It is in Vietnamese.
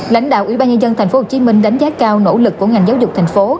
lãnh đạo ủy ban nhân dân tp hcm đánh giá cao nỗ lực của ngành giáo dục thành phố